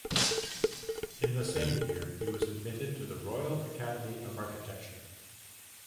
In the same year, he was admitted to the Royal Academy of Architecture.